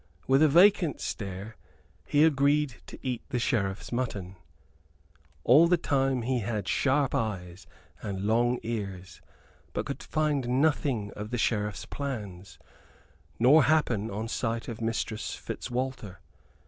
With a vacant stare he agreed to eat the Sheriff's mutton. All the time he had sharp eyes and long ears; but could find out nothing of the Sheriff's plans, nor happen on sight of Mistress Fitzwalter.